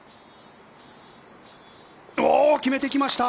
決めてきました。